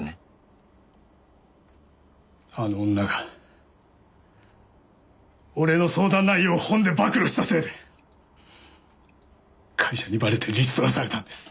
あの女が俺の相談内容を本で暴露したせいで会社にばれてリストラされたんです。